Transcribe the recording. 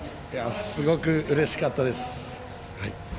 すごくうれしかったです。